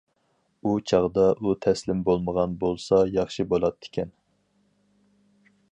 ئۇ چاغدا ئۇ تەسلىم بولمىغان بولسا ياخشى بولاتتىكەن!